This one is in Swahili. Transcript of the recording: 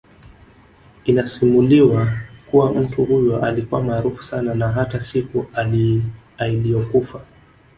Inasimuliwa kuwa mtu huyo alikuwa maaraufu sana na hata siku ailiyokufa